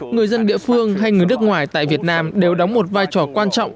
người dân địa phương hay người nước ngoài tại việt nam đều đóng một vai trò quan trọng